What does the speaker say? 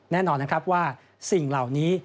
แน่นอนนะครับว่าสิ่งเหล่านี้